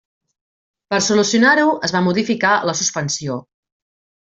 Per solucionar-ho, es va modificar la suspensió.